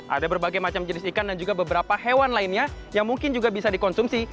ada berbagai macam jenis ikan dan juga beberapa hewan lainnya yang mungkin juga bisa dikonsumsi